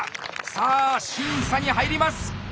さあ審査に入ります！